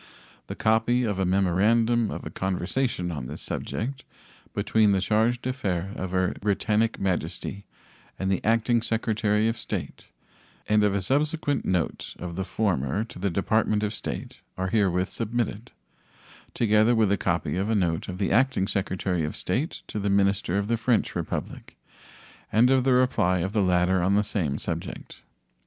The copy of a memorandum of a conversation on this subject between the charge d'affaires of Her Britannic Majesty and the Acting Secretary of State and of a subsequent note of the former to the Department of State are herewith submitted, together with a copy of a note of the Acting Secretary of State to the minister of the French Republic and of the reply of the latter on the same subject.